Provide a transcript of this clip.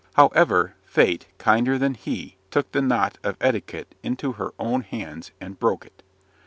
However, Fate, kinder than he, took the knot of etiquette into her own hands, and broke it.